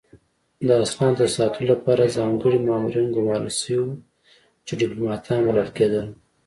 د اسنادو د ساتلو لپاره ځانګړي مامورین ګمارل شوي وو چې ډیپلوماتان بلل کېدل